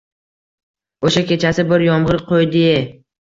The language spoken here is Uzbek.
Oʼsha kechasi bir yomgʼir qoʼydi-ey…